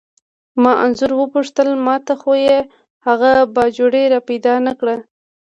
ما انځور وپوښتل: ما ته خو دې هغه باجوړی را پیدا نه کړ؟